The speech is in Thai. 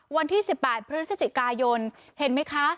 วันที่๑๘พฤศจิกายนเห็นไหมคะ